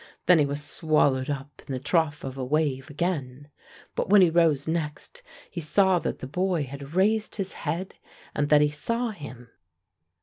Then he was swallowed up in the trough of a wave again. But when he rose next, he saw that the boy had raised his head, and that he saw him.